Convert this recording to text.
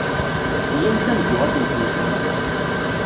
Iyyamt ad neddu ad tent-nẓer.